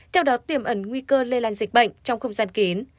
theo đó tiềm ẩn nguy cơ lây lan dịch bệnh trong không gian kín